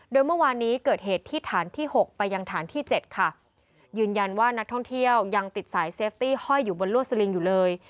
โดยเมื่อวานนี้เกิดเหตุที่ฐานที่หกไปยังฐานที่เจ็ดค่ะยืนยันว่านักท่องเที่ยวยังติดสายเซฟตี้ห้อยอยู่บนลวดสลิงอยู่เลย